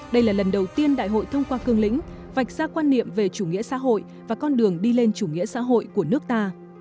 đây là lần đầu tiên đại hội thông qua cương lĩnh vạch ra quan niệm về chủ nghĩa xã hội và con đường đi lên chủ nghĩa xã hội của nước ta